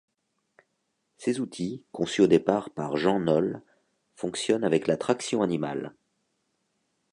Ces outils, conçus au départ par Jean Nolle, fonctionnent avec la traction animale.